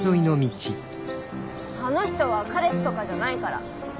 あの人は彼氏とかじゃないから。